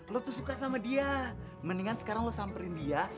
lo tuh suka sama dia mendingan sekarang lo samperin dia